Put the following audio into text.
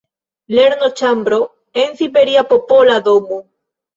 “Lernoĉambro en siberia Popola Domo.